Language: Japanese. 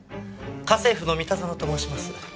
家政夫の三田園と申します。